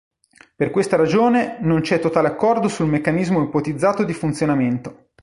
Per questa ragione non c'è totale accordo sul meccanismo ipotizzato di funzionamento.